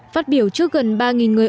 phát biểu trước gần ba người